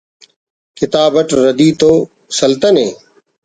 کتاب اٹ ردی تو سلتنے